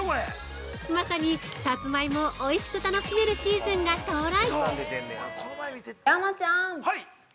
まさに、さつまいもをおいしく楽しめるシーズンが到来。